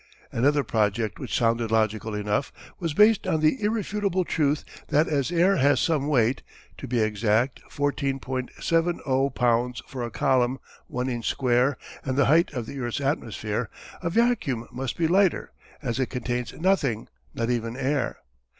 Another project, which sounded logical enough, was based on the irrefutable truth that as air has some weight to be exact 14.70 pounds for a column one inch square and the height of the earth's atmosphere a vacuum must be lighter, as it contains nothing, not even air.